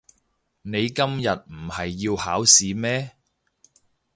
你今日唔係要考試咩？